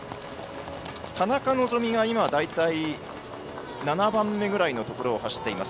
田中希実が今７番目ぐらいのところを走っています。